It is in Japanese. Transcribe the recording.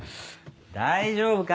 大丈夫か？